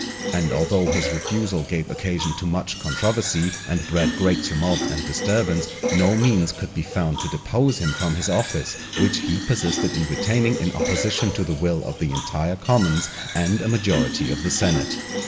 And although his refusal gave occasion to much controversy, and bred great tumult and disturbance, no means could be found to depose him from his office, which he persisted in retaining in opposition to the will of the entire commons and a majority of the senate.